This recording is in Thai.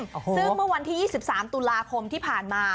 ซึ่งเมื่อวันที่๒๓ตุลาคมที่ผ่านมา